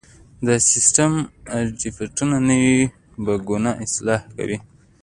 د سیسټم اپډیټونه نوي بګونه اصلاح کوي.